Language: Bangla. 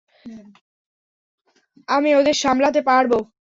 আমি ওদের সামলাতে পারবো।